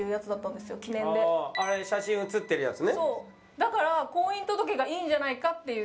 だから婚姻届がいいんじゃないかっていう。